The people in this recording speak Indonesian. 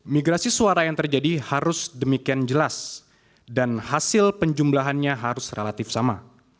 migrasi suara yang terjadi harus demikian jelas dan hasil penjumlahannya harus relatif sama